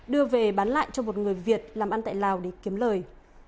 đưa về bán lại cho một người việt làm ăn tại lào để kiếm lời